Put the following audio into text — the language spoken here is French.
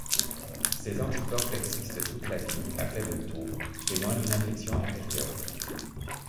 Ces anti-corps persistent toute la vie à faible taux, témoin d'une infection antérieure.